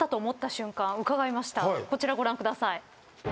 こちらご覧ください。